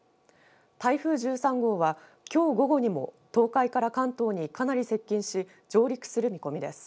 台風１３号はきょう午後にも東海から関東にかなり接近し上陸する見込みです。